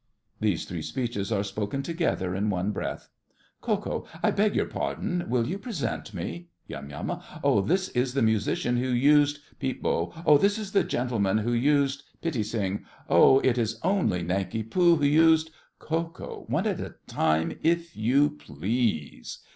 (These three speeches are spoken together in one breath.) KO. I beg your pardon. Will you present me? YUM. Oh, this is the musician who used— PEEP. Oh, this is the gentleman who used— PITTI. Oh, it is only Nanki Poo who used— KO. One at a time, if you please.